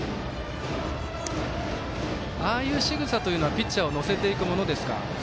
ああいうしぐさというのはピッチャーを乗せていくものですか。